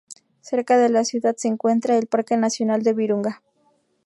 Cerca de la ciudad se encuentra el Parque nacional Virunga.